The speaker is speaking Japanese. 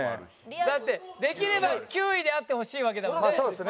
だってできれば９位であってほしいわけだもんね。